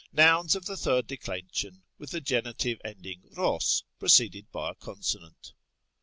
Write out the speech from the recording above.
Nouns of the third declension with the genitive ending @0¢ preceded by a consonant.